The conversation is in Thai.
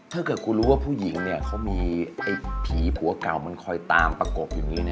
ถ้าผมรู้ว่าผู้หญิงเนี้ยเค้ามีพีย่ลผัวเก่ามันคอยตามประกบอยู่นี่น่ะ